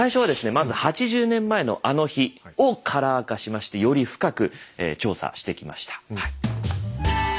まず８０年前のあの日をカラー化しましてより深く調査してきましたはい。